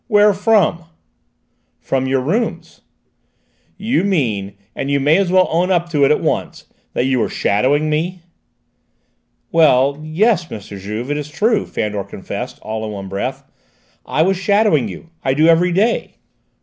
"Where from?" "From your rooms." "You mean, and you may as well own up to it at once, that you were shadowing me." "Well, yes, M. Juve, it is true," Fandor confessed, all in one breath. "I was shadowing you: I do every day!"